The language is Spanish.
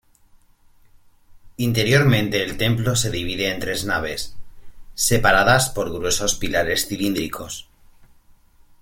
Interiormente el templo se divide en tres naves, separadas por gruesos pilares cilíndricos.